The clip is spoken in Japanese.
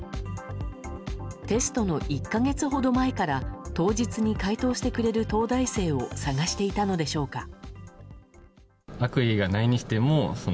テストの１か月ほど前から当日に解答してくれる東大生を探していたのでしょうか。